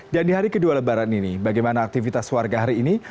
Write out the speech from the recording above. dan di hari kedua lebaran ini bagaimana aktivitas warga hari ini